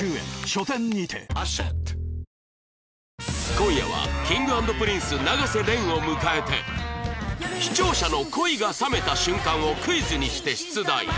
今夜は Ｋｉｎｇ＆Ｐｒｉｎｃｅ 永瀬廉を迎えて視聴者の恋が冷めた瞬間をクイズにして出題